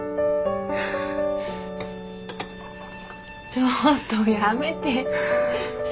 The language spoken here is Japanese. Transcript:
ちょっとやめて。